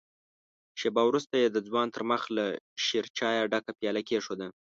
شېبه وروسته يې د ځوان تر مخ له شيرچايه ډکه پياله کېښوده.